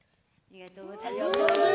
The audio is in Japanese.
ありがとございます。